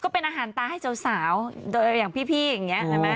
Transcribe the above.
เป็นอาหารตาให้สาวโดยอย่างพี่อย่างนี้ใช่ไหม